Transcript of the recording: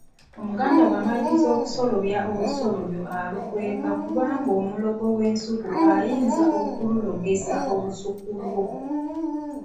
Omuganda bw'amaliriza okusolobya olusolobyo alukweka kuba omulogo w'ensuku ayinza okululogesa olusuku lwo.